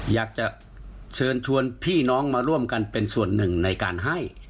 อยากจะเชิญชวนพี่น้องมาร่วมกันเป็นส่วนหนึ่งในการให้